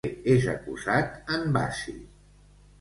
De què és acusat en Basi?